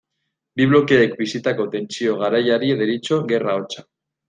Bi blokeek bizitako tentsio garaiari deritzo Gerra hotza.